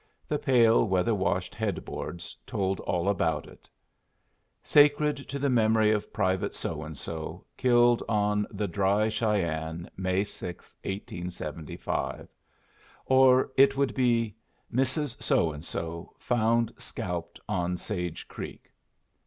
The pale weather washed head boards told all about it: "Sacred to the memory of Private So and So, killed on the Dry Cheyenne, May 6, 1875." Or it would be, "Mrs. So and So, found scalped on Sage Creek."